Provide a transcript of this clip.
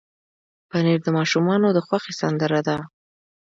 پنېر د ماشومانو د خوښې سندره ده.